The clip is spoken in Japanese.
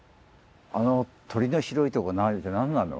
あの鳥の白いとこ何なの？